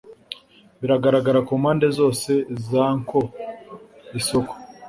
biragaragara mu mpande zose za nkwo - isoko